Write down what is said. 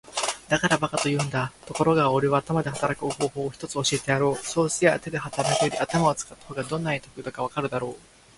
「だから馬鹿と言うんだ。ところがおれは頭で働く方法を一つ教えてやろう。そうすりゃ手で働くより頭を使った方がどんなに得だかわかるだろう。」